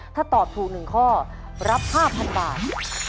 ถ้าตอบถูก๑ข้อรับ๕๐๐๐บาท